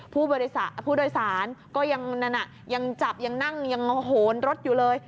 ผู้โดยสารก็ยังจับยังนั่งยังโหนรถอยู่เลย